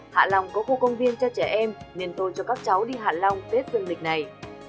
hạ long có khu công viên cho trẻ em nên tôi cho các cháu đi hạ long tết dương lịch này